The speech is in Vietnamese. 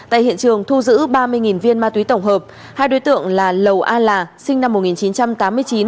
tại hiện trường thu giữ ba mươi viên ma túy tổng hợp hai đối tượng là lầu a là sinh năm một nghìn chín trăm tám mươi chín